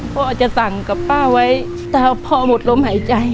พ่อจะสั่งกับป้าไว้ถ้าพ่อหมดลมหายใจ